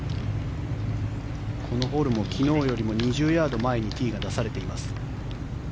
このホールも昨日よりも２０ヤード前にティーが出されています。